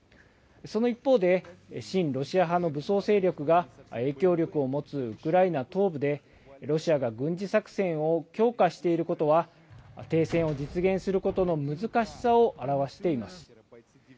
その一方で、親ロシア派の武装勢力が影響力を持つウクライナ東部で、ロシアが軍事作戦を強化していることは、停戦を実現することの難しさを表しています。